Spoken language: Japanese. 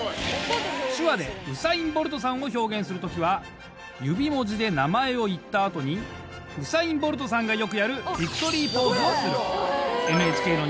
手話でウサイン・ボルトさんを表現する時は指文字で名前を言った後にウサイン・ボルトさんがよくやる。